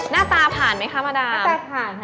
หน้าตาผ่านไหมค่ะมาดาม